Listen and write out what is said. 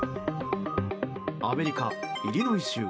アメリカ・イリノイ州。